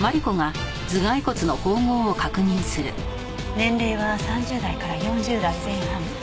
年齢は３０代から４０代前半。